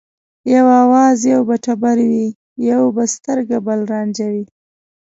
یو آواز یو به ټبر وي یو به سترګه بل رانجه وي